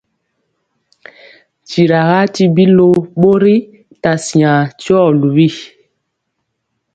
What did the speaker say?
Tyira tibi ló bori ta siaŋ tyumɔ luwi.